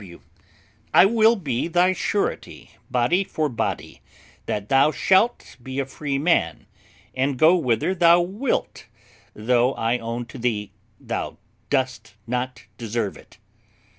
W. I will be thy surety, body for body, that thou shalt be a free man, and go whither thou wilt, though I own to thee thou dost not deserve it.